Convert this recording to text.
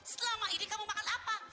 selama ini kamu makan apa